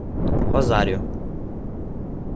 Rosário